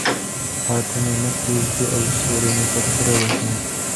تاته مي نه پرېږدي او سیوری مي په توره وهي